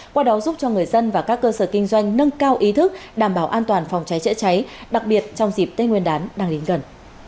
qua đó giúp cho người dân và các cơ sở kinh doanh nâng cao ý thức đảm bảo an toàn phòng cháy chữa cháy đặc biệt trong dịp tết nguyên đán đang đến gần